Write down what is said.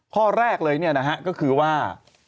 ข้อแรกเลยเนี่ยนะฮะก็คือว่า